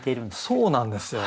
そうなんですよ。